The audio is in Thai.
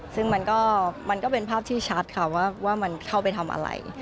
ซึ่งมันก็เป็นภาพที่ชัดค่ะว่ามันเข้าไปทำอะไร